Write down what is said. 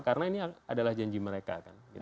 karena ini adalah janji mereka